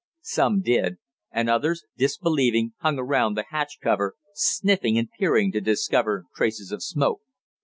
Some did, and others, disbelieving, hung around the hatch cover, sniffing and peering to discover traces of smoke.